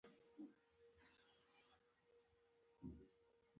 دې خبرو سره چیني غوږونه بوڅ کړل او بیا یې مړاوي کړل.